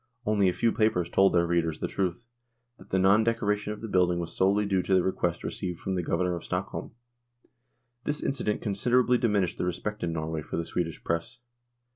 Only a few papers told their readers the truth, that the non decoration of the building was solely due to the request received from the Governor of Stockholm. This incident considerably diminished the respect in Norway for the Swedish Press.